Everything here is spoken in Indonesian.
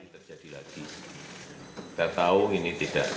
terjadi lagi kita tahu ini tidak